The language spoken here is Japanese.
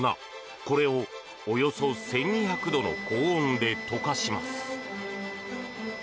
これをおよそ１２００度の高温で溶かします。